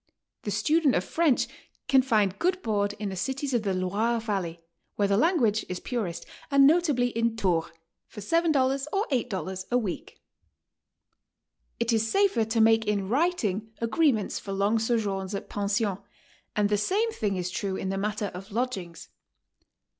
The student of French can find good board in the cities of the Loire Valley, where the language is purest, and notably in Tours, for $7 or $8 a week. It is safer to make in writing agreements for long so joums at pensions, and the same thing is true in the matter (.'f lodgings.